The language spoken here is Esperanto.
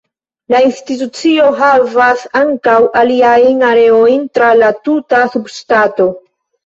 La institucio havas ankaŭ aliajn areojn tra la tuta subŝtato.